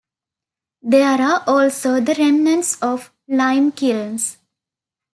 There are also the remnants of lime kilns.